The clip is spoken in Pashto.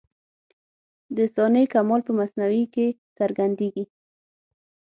د صانع کمال په مصنوعي کي څرګندېږي.